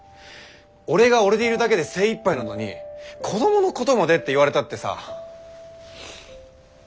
俺が俺でいるだけで精いっぱいなのに子どものことまでって言われたってさ。